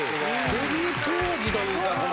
デビュー当時のというか。